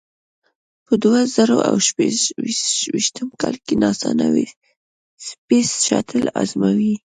په دوه زره او شپږ ویشتم کال کې ناسا نوې سپېس شاتل ازموي.